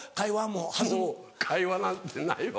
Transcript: もう会話なんてないわ。